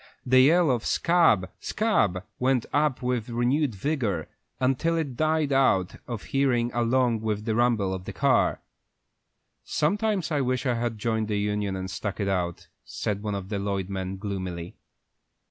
The yell of "Scab, scab!" went up with renewed vigor, until it died out of hearing along with the rumble of the car. "Sometimes I wish I had joined the union and stuck it out," said one of the Lloyd men, gloomily.